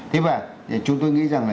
thế và chúng tôi nghĩ rằng